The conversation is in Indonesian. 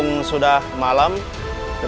disuruh kita lepas ya